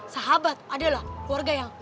sahabat adalah keluarga yang